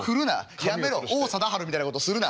やめろ王貞治みたいなことするな。